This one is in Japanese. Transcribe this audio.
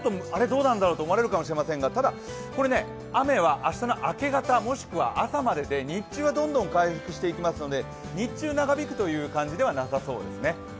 どうなんだろうと思われるかもしれませんがただ、雨は明日の明け方、もしくは朝までで、日中はどんどん回復していきますので日中長引くという感じではなさそうですね。